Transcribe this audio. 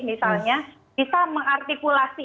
misalnya bisa mengartikulasi